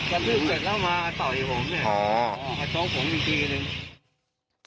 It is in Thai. กระทืบเสร็จแล้วมาต่อยผมต้องผมอีกทีนึง